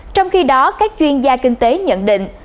trong khi đó các chuyên gia kinh tế nhận định